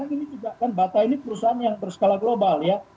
ini juga kan bata ini perusahaan yang berskala global ya